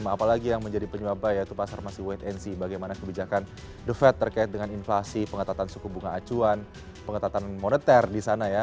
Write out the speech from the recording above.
apalagi yang menjadi penyebabnya yaitu pasar masih wait and see bagaimana kebijakan the fed terkait dengan inflasi pengetatan suku bunga acuan pengetatan moneter di sana ya